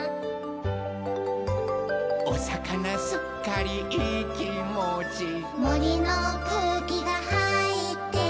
「おさかなすっかりいいきもち」「もりのくうきがはいってる」